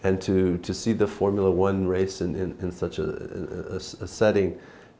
một phương pháp cộng đồng